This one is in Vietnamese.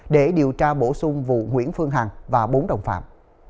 để điều tra bổ sung vụ nguyễn phương hằng và bốn đồng phạm